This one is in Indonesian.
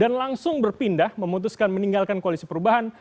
dan juga langsung berpindah memutuskan meninggalkan koalisi perubahan